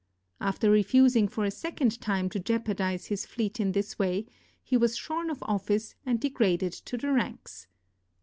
After refusing for a second time to jeopardize his fleet in this way, he was shorn of office and degraded to the ranks.